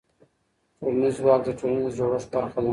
ټولنیز ځواک د ټولنې د جوړښت برخه ده.